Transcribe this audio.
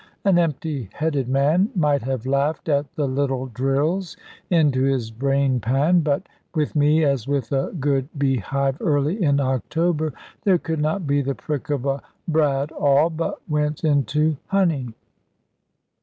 An empty headed man might have laughed at the little drills into his brain pan; but with me (as with a good bee hive early in October) there could not be the prick of a brad awl but went into honey.